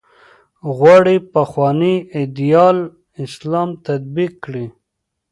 غواړي پخوانی ایدیال اسلام تطبیق کړي.